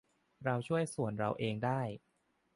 เราช่วยส่วนเราเองได้